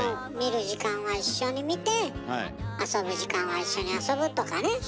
見る時間は一緒に見て遊ぶ時間は一緒に遊ぶとかね。